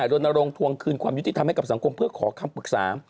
รณรงค์ทวงคืนความยุติธรรมให้กับสังคมเพื่อขอคำปรึกษา